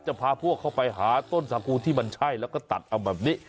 พาพวกเข้าไปหาต้นสากูที่มันใช่แล้วก็ตัดเอาแบบนี้